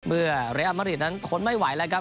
เมื่อเรอมริตนั้นทนไม่ไหวแล้วครับ